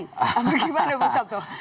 bagaimana bung satu